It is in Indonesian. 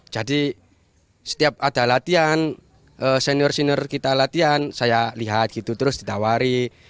jadi setiap ada latihan senior senior kita latihan saya lihat gitu terus ditawari